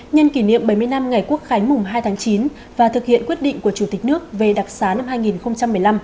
nhân kỷ niệm bảy mươi năm ngày quốc khánh mùng hai tháng chín và thực hiện quyết định của chủ tịch nước về đặc xá năm hai nghìn một mươi năm